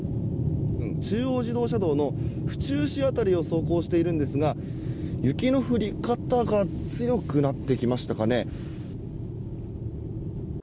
中央自動車道の府中市辺りを走行しているんですが雪の降り方が強くなってきましたかね。